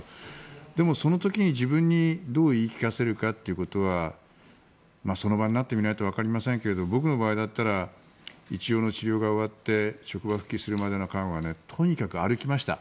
でもその時に自分にどう言い聞かせるかということはその場になってみないとわかりませんけれど僕の場合だったら治療が終わって職場復帰するまでの間は歩きました。